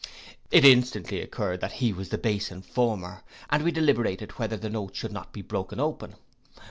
_ It instantly occurred that he was the base informer, and we deliberated whether the note should not be broke open.